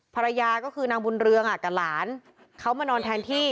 ภรรยาก็คือนางบุญเรืองกับหลานเขามานอนแทนที่